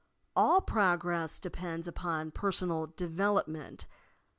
All prog ress depends upon personal development.